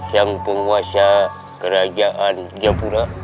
yang menguasai kerajaan jepura